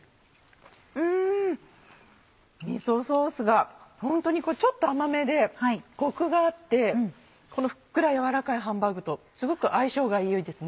うんみそソースがホントにちょっと甘めでコクがあってこのふっくら軟らかいハンバーグとすごく相性が良いですね。